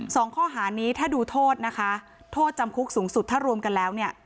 สองข้อหานี้ถ้าดูโทษนะคะโทษจำคุกสูงสุดถ้ารวมกันแล้วเนี่ย